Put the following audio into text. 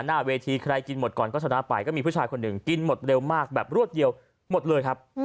หน้าเวทีใครกินหมดก่อนก็ชนะไปก็มีผู้ชายคนหนึ่งกินหมดเร็วมากแบบรวดเดียวหมดเลยครับ